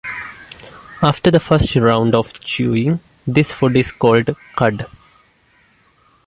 After the first round of chewing, this food is called cud.